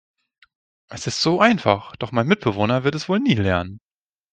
Es ist so einfach, doch mein Mitbewohner wird es wohl nie lernen.